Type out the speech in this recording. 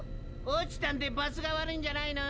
落ちたんでバツが悪いんじゃないの？